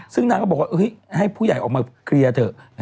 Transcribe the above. ซึ่งนางก็บอกว่าให้ผู้ใหญ่ออกมาเคลียร์เถอะ